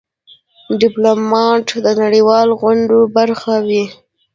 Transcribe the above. ډيپلومات د نړېوالو غونډو برخه وي.